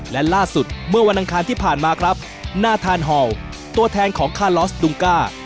และล่าสุดเมื่อวันอังคารที่ผ่านมาครับนาธานฮอลตัวแทนของคาลอสดุงก้า